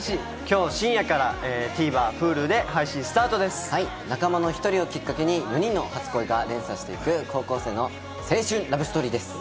今日深夜からＴＶｅｒ、仲間の１人をきっかけに４人の初恋が連鎖していく高校生の青春ラブストーリーです。